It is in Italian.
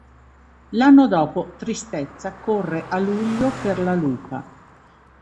L'anno dopo Tristezza corre a luglio per la Lupa.